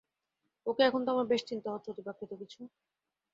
ওকে, এখন তো আমার বেশ চিন্তা হচ্ছে, অতিপ্রাকৃত কিছু?